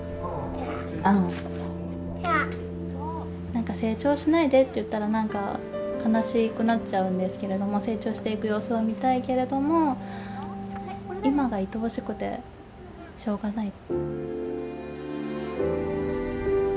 なんか成長しないでって言ったら、なんか悲しくなっちゃうんですけれども、成長していく様子を見たいけれども、今がいとおしくてしょうがない。